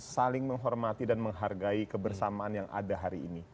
saling menghormati dan menghargai kebersamaan yang ada hari ini